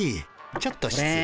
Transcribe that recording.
ちょっとしつ礼。